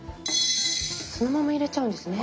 そのまま入れちゃうんですね。